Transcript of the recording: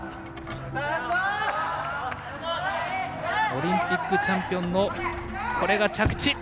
オリンピックチャンピオンのこれが着地！